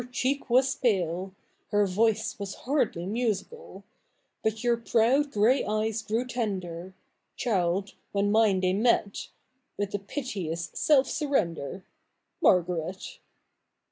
cheek "was pale, Her voice was hardly jniisical ; But ycnir proud grey'^eyes grew tender, Child, when mine they' met, IVith a piteous self surrender, Margaret.